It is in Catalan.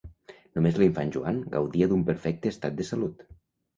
Només l'infant Joan gaudia d'un perfecte estat de salut.